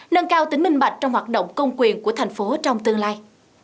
nâng cao tính minh bạch trong hoạt động công quyền của tp hcm trong tương lai